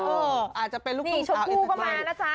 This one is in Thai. นี่ชุกกู้เขามานะจ๊ะ